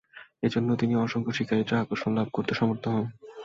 এজন্য তিনি অসংখ্য শিক্ষার্থীর আকর্ষণ লাভ করতে সমর্থ হন।